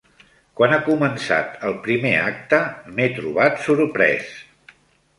Quan ha començat el primer acte, m'he trobat sorprès